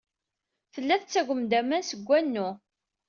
Tella tettagem-d aman seg wanu.